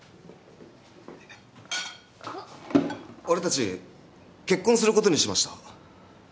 俺たち結婚することにしました。